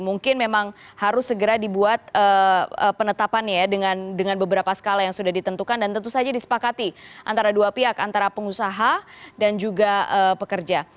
mungkin memang harus segera dibuat penetapannya ya dengan beberapa skala yang sudah ditentukan dan tentu saja disepakati antara dua pihak antara pengusaha dan juga pekerja